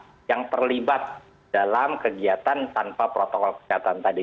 masyarakat yang terlibat dalam kegiatan tanpa protokol kesehatan tadi